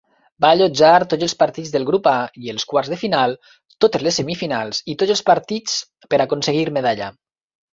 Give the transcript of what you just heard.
Va allotjar tots els partits del Grup A i els quarts de final, totes les semifinals i tots els partits per aconseguir medalla.